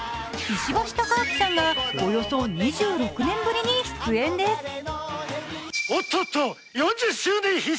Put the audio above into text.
石橋貴明さんがおよそ２６年ぶりに出演です。